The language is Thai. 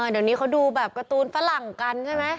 เดี๋ยวนี้เขาดูแบบการ์ตูนฝรั่งกันใช่ไหม